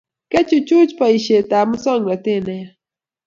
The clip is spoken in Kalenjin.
Kechuchuch boishet ab musongnotet ne ya